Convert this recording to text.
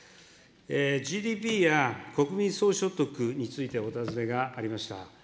ＧＤＰや国民総所得についてお尋ねがありました。